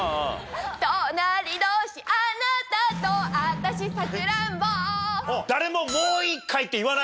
隣どおしあなたとあたしさくらんぼ誰も。